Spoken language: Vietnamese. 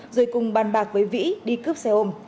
rồi cùng bàn bạc với vĩ đi cướp xe ôm